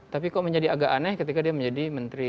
tapi kok menjadi agak aneh ketika dia menjadi menteri